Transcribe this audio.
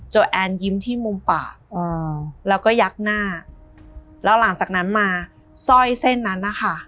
แอนยิ้มที่มุมปากแล้วก็ยักหน้าแล้วหลังจากนั้นมาสร้อยเส้นนั้นนะคะ